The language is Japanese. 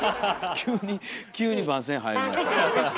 急に急に番宣入りました。